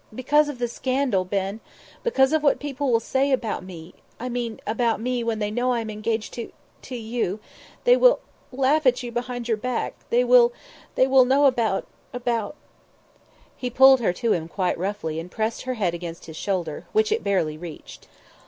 "Because of the scandal, Ben. Because of what people will say about me I mean about me when they know I am engaged to to you they will laugh at you behind your back they will they will know about about " He pulled her to him quite roughly and pressed her head against his shoulder, which it barely reached.